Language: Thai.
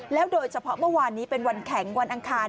โดยเฉพาะเมื่อวานนี้เป็นวันแข็งวันอังคาร